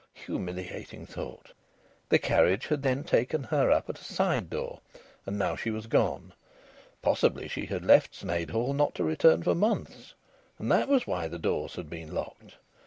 (Humiliating thought!) The carriage had then taken her up at a side door. And now she was gone. Possibly she had left Sneyd Hall not to return for months, and that was why the doors had been locked.